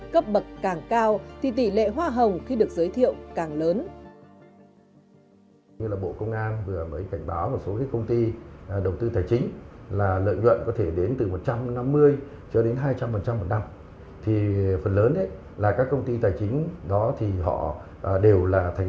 cấp bậc càng cao thì tỷ lệ hoa hồng khi được giới thiệu